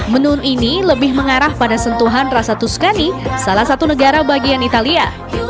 menu ini lebih mengarah pada sentuhan rasa tuskani salah satu negara bagian italia